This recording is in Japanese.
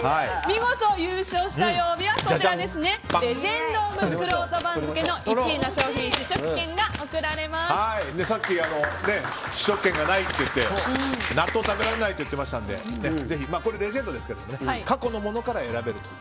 見事優勝した曜日はレジェンド・オブ・くろうと番付１位の商品の試食券がさっき試食券がないって言って納豆食べられないって言ってましたのでぜひこれはレジェンドですが過去のものから選べると。